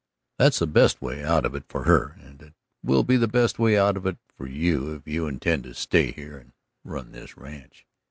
That's the best way out of it for her, and it will be the best way out of it for you if you intend to stay here and run this ranch."